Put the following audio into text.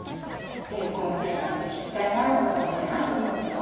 結婚生活と引き換えになるほどのもんじゃないと思うけど？